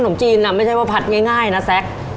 มจีนไม่ใช่ว่าผัดง่ายนะแซ็ก